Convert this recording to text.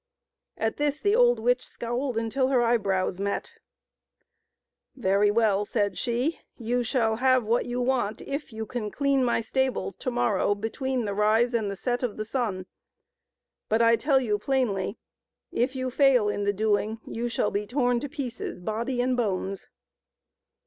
At this the old witch scowled until her eyebrows met. " Very well," said she, " you shall have what you want if you can clean my stables to morrow between the rise and the set of the sun. But I tell you plainly, if you fail in the doing, you shall be torn to pieces body and bones."